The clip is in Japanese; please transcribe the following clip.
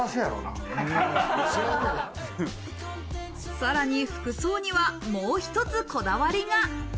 さらに服装にはもう一つこだわりが。